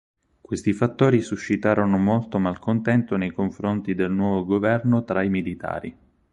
Questi fattori suscitarono molto malcontento nei confronti del nuovo governo tra i militari.